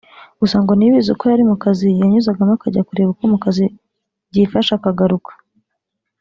gusa ngo Niyibizi kuko yari mu kazi yanyuzagamo akajya kureba uko mu kazi byifashe akagaruka